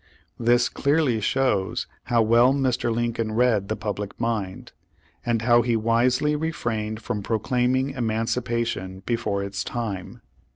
This clearly shows how Vv^ell Mr. Lincoln read the public mind, and how he wisely refrained from proclaiming emancipation before its time.